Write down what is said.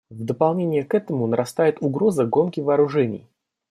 В дополнение к этому нарастает угроза гонки вооружений.